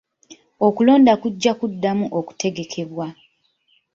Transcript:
Okulonda kujja kuddamu okutegekebwa.